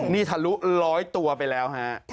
นี่ทะลุ๑๐๐ตัวไปแล้วครับ